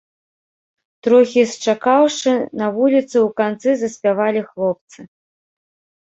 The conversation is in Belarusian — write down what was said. Трохі счакаўшы, на вуліцы ў канцы заспявалі хлопцы.